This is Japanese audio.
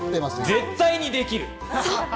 絶対にできる！